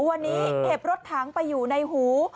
วันนี้เก็บรถถังไปอยู่ในหู